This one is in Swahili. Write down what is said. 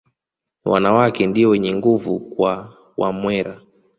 Wanawake ndio wenye nguvu kwa Wamwera